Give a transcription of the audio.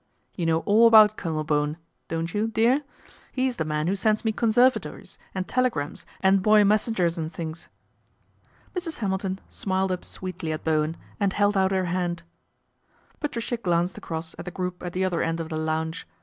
' You know all about Colonel Bowen, don't you, dear ? He's the man who sends me conservatories and telegrams and boy messengers and things." Mrs. Hamilton smiled up sweetly at Bowen, and neld out her hand. Patricia glanced across at the group at the other end of the lounge.